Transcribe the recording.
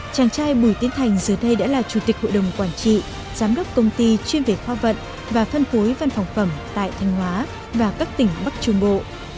chàng trai bùi tiến thành giờ đây đã là chủ tịch hội đồng quản trị giám đốc công ty chuyên về khoa vận và phân phối văn phòng phẩm tại thanh hóa và các tỉnh bắc trung bộ